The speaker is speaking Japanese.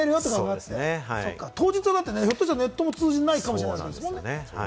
当日はネットも通じないかもしれないですもんね。